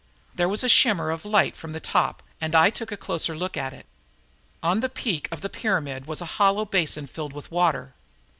There was a shimmer of light from the top and I took a closer look at it. On the peak of the pyramid was a hollow basin filled with water.